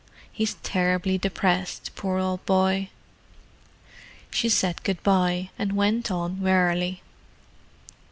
He's terribly depressed, poor old boy." She said good bye, and went on wearily.